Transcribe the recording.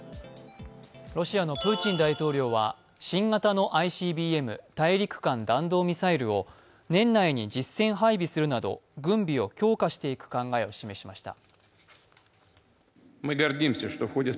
ロシアのプーチン大統領は新型のＩＣＢＭ＝大陸間弾道ミサイルを年内に実戦配備するなど、軍備を強化していく考えを示しました。